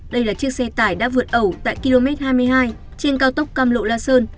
đây là chiếc xe tải đã vượt ẩu tại km hai mươi hai trên cao tốc cam lộ la sơn